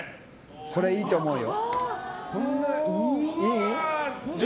これいいと思うよ。